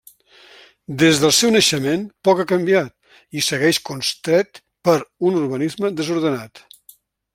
Des del seu naixement, poc ha canviat, i segueix constret per un urbanisme desordenat.